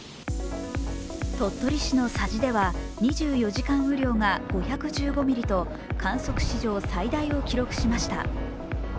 鳥取市の佐治では２４時間雨量が５１５ミリと観測史上最大を記録しました。